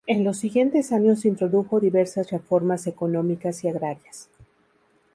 En los siguientes años introdujo diversas reformas económicas y agrarias.